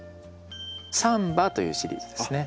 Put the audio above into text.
サンバというシリーズですね。